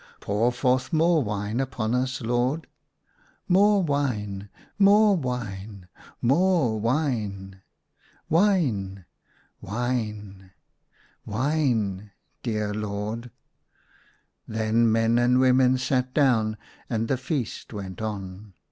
" Pour forth more wine upon us, Lord." *' More wine." " More wine." " More wine !"" Wine !!" "Wine!!" " Wine !!!"" Dear Lord !" Then men and women sat down and the feast went on.